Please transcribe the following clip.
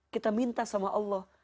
kita minta sama allah